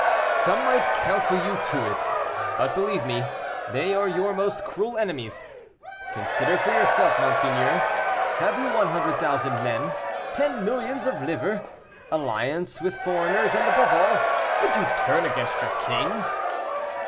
"Some might counsel you to it, but believe me they are your most cruel enemies. Consider for yourself, monseigneur; have you one hundred thousand men ten millions of livres alliance with foreigners and, above all, would you turn against your king?"